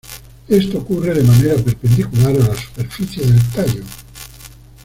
Esto ocurre de manera perpendicular a la superficie del tallo.